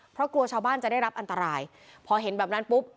เพราะกลัวชาวบ้านจะได้รับอันตรายพอเห็นแบบนั้นปุ๊บ